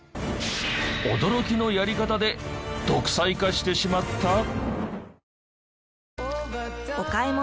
驚きのやり方で独裁化してしまった？